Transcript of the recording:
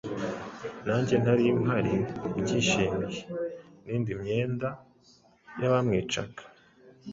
nanjye nari mpari mbyishimiye, ndinda imyenda y’abamwicaga.”